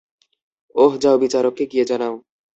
ওহ, যাও বিচারককে গিয়ে জানাও।